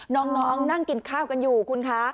น้องนั่งกินข้าวกันอยู่คุณคะ